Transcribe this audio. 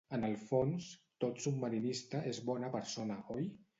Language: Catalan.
En el fons, tot submarinista és bona persona, oi?